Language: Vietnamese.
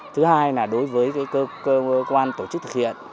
thứ hai là đối với cơ quan tổ chức thực hiện